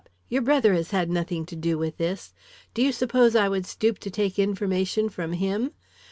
Your brother has had nothing to do with this. Do you suppose I would stoop to take information from him?